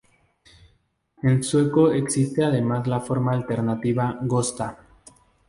En sueco existe además la forma alternativa: Gösta.